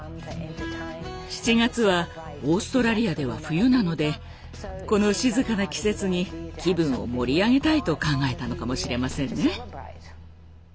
７月はオーストラリアでは冬なのでこの静かな季節に気分を盛り上げたいと考えたのかもしれませんね。